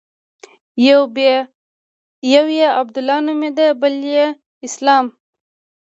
يو يې عبدالله نومېده بل يې اسلام.